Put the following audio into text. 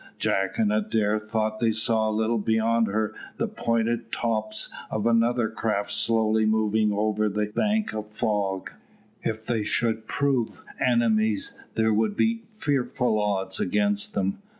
Jack and Adair thought they saw a little beyond her the pointed tops of another craft slowly moving over the bank of fog. If they should both prove enemies there would be fearful odds against them.